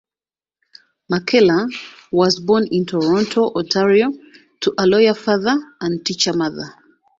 McKellar was born in Toronto, Ontario to a lawyer father and teacher mother.